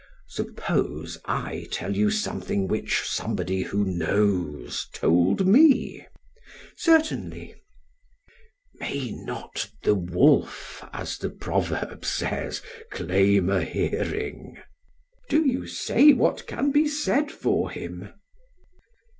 SOCRATES: Suppose I tell you something which somebody who knows told me. PHAEDRUS: Certainly. SOCRATES: May not 'the wolf,' as the proverb says, 'claim a hearing'? PHAEDRUS: Do you say what can be said for him.